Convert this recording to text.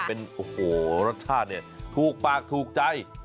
เป็นรสชาตินี่ถูกปากถูกใจ